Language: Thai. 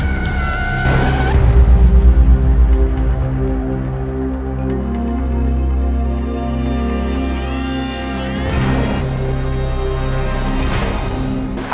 ข้อทารการ๓๕